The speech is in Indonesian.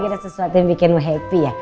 kini lagi ada sesuatu yang bikinmu happy ya